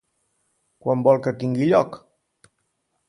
Quan vol que tingui lloc?